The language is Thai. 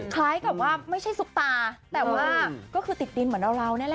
คล้ายกับว่าไม่ใช่ซุปตาแต่ว่าก็คือติดดินเหมือนเรานี่แหละ